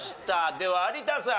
では有田さん。